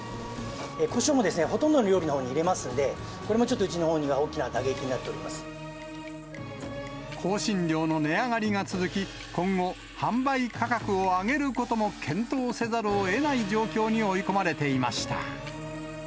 こしょうもほとんどの料理のほうに入れますんで、これもちょっと、うちのほうには大きな打撃香辛料の値上がりが続き、今後、販売価格を上げることも検討せざるをえない状況に追い込まれていました。